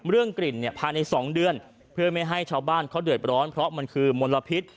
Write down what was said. เรื่องกลิ่นเนี่ยภายใน๒เดือนเพื่อไม่ให้ชาวบ้านเขาเดือดร้อนเพราะมันคือมลพิษ